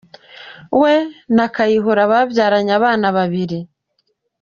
We na Kayihura babyaranye abana babiri.